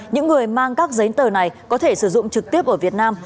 những người mang các giấy tờ này có thể sử dụng trực tiếp ở việt nam